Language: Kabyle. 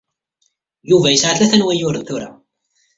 Yuba yesɛa tlata n wayyuren tura.